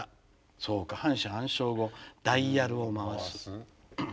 そうか半死半生語「ダイヤルを回す」。